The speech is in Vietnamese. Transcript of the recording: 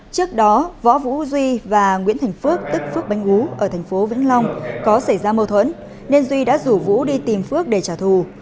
trước đó võ vũ duy và nguyễn thành phước tức phước bánh ú ở tp vĩnh long có xảy ra mâu thuẫn nên duy đã rủ vũ đi tìm phước để trả thù